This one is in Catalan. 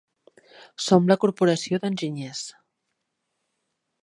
Som la corporació d'enginyers.